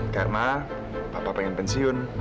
karena papa pengen pensiun